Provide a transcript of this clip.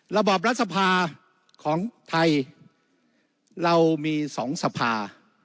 ระบอบรัฐสภาของไทยเรามี๒สภา